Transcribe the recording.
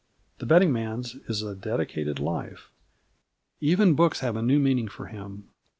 The betting man's is a dedicated life. Even books have a new meaning for him.